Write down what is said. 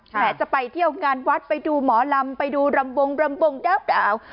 จะไปเที่ยวงานวัดไปดูหมอลำไปดูรำบงรำบงด้าเปล่า